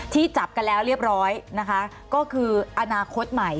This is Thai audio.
จับกันแล้วเรียบร้อยนะคะก็คืออนาคตใหม่